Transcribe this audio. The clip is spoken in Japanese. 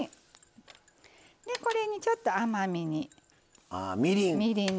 でこれにちょっと甘みにみりんです。